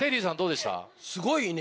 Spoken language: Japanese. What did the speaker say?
すごいね。